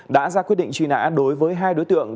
đã ra quyết định truy nã đối với hai đối tượng